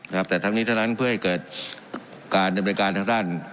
นะครับแต่ทั้งนี้ทั้งนั้นเพื่อให้เกิดการดำเนินการทางด้าน